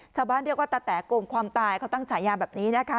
ชาวบ้านเรียกว่าตะแต๋โกงความตายเขาตั้งฉายาแบบนี้นะคะ